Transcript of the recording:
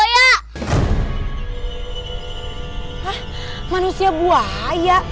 hah manusia buaya